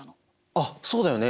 あっそうだよね